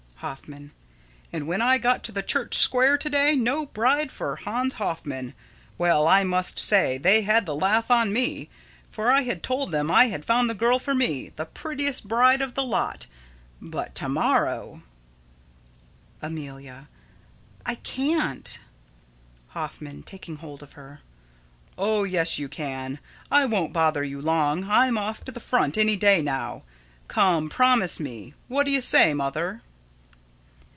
Hoffman: And when I got to the church square to day, no bride for Hans Hoffman. Well, I must say, they had the laugh on me; for I had told them I had found the girl for me the prettiest bride of the lot. But to morrow Amelia: I can't. Hoffman: [Taking hold of her.] Oh, yes, you can. I won't bother you long. I'm off to the front any day now. Come, promise me! What do you say, Mother?